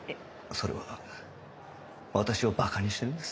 それは私を馬鹿にしてるんです。